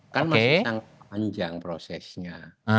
kan masih sangat panjang prosesnya